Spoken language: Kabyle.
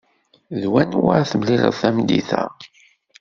D wanwa ara temlileḍ tameddit-a?